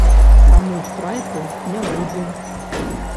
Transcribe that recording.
Таму страйку не будзе.